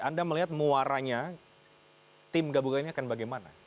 anda melihat muaranya tim gabungan ini akan bagaimana